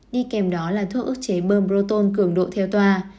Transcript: đi kèm đó là thuốc ức chế bơm brutal cường độ theo toa